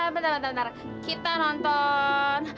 bentar bentar bentar kita nonton